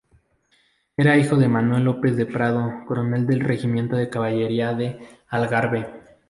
Era hijo de Manuel López de Prado, Coronel del Regimiento de Caballería de Algarve.